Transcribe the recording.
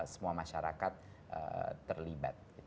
semua masyarakat terlibat